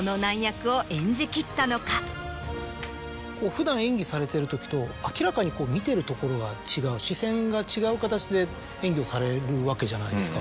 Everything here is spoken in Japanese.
普段演技されてる時と明らかにこう見ているところが違う。をされるわけじゃないですか。